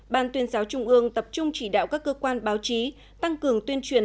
ban tuyên giáo trung ương tập trung chỉ đạo các cơ quan báo chí tăng cường tuyên truyền